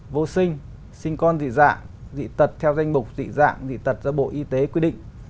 vô sinh sinh con dị dạng dị tật theo danh mục tị dạng dị tật do bộ y tế quy định